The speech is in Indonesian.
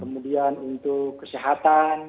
kemudian untuk kesehatan